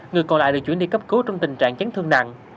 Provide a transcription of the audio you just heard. người còn lại được chuyển đi cấp cứu trong tình trạng chấn thương nặng